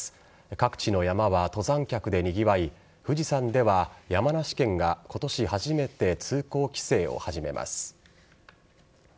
各地の山は登山客でにぎわい富士山では山梨県が今年初めて通行規制を始めます。